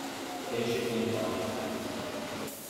They should be in body bags.